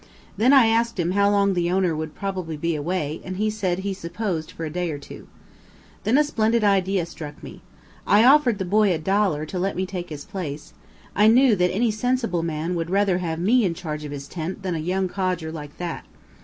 Then I asked him how long the owner would probably be away, and he said he supposed for a day or two. Then a splendid idea struck me. I offered the boy a dollar to let me take his place: I knew that any sensible man would rather have me in charge of his tent, than a young codger like that.